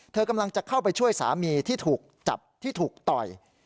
เธอกำลังจะเข้าไปช่วยสามีที่ถูกจับที่ถูกต่อย